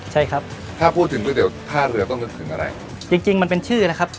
ใช่ครับถ้าพูดถึงก๋วยเตี๋ท่าเรือต้องนึกถึงอะไรจริงจริงมันเป็นชื่อนะครับ